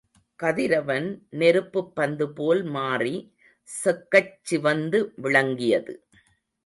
கதிரவன் நெருப்புப் பந்துபோல் மாறி செக்கச் சிவந்து விளங்கியது.